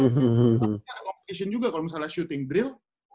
tapi ada kompetisi juga kalau misalnya shooting drill